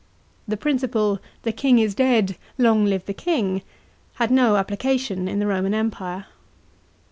The principle " The king is dead, long live the king," had no applica tion in the Eoman Empire.